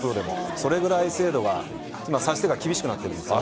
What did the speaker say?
それぐらい精度が、指し手が厳しくなってるんですよね。